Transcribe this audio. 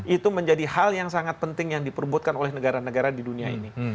itu menjadi hal yang sangat penting yang diperbutkan oleh negara negara di dunia ini